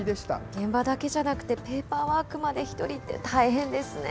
現場だけじゃなくてペーパーワークまで一人って大変ですね。